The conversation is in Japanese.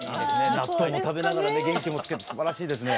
納豆も食べながら元気もつけてすばらしいですね。